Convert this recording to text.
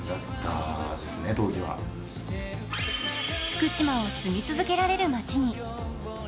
福島を住み続けられる街に。